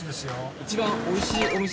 一番おいしいお店？